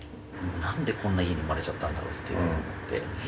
なんでこんな家に生まれちゃったんだろうって思って。